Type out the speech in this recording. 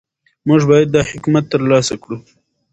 موږ باید دا حکمت ترلاسه کړو.